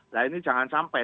lainnya jangan sampai